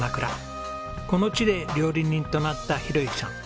この地で料理人となった宏幸さん。